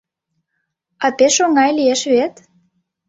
— А пеш оҥай лиеш вет.